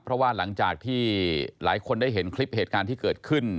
เพราะว่าหลังจากที่หลายคนได้เห็นคลิปเหตุการณ์ที่เกิดขึ้น